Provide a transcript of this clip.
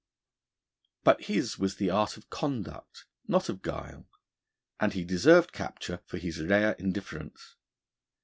But his was the art of conduct, not of guile, and he deserved capture for his rare indifference.